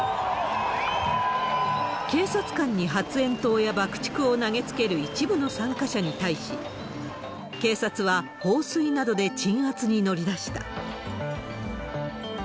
警察官に発煙筒や爆竹を投げつける一部の参加者に対し、警察は放水などで鎮圧に乗り出した。